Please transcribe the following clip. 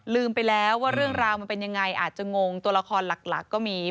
ลืมไปแล้วว่าเรื่องราวมันเป็นยังไงอาจจะงงตัวละครหลักก็มี